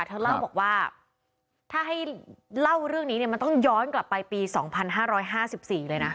เธอเล่าบอกว่าถ้าให้เล่าเรื่องนี้เนี่ยมันต้องย้อนกลับไปปีสองพันห้าร้อยห้าสิบสี่เลยนะ